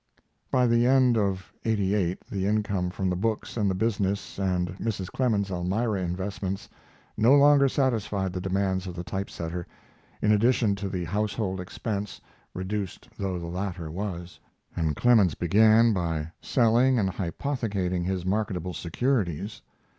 By the end of '88 the income from the books and the business and Mrs. Clemens's Elmira investments no longer satisfied the demands of the type setter, in addition to the household expense, reduced though the latter was; and Clemens began by selling and hypothecating his marketable securities.